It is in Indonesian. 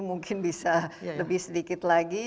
mungkin bisa lebih sedikit lagi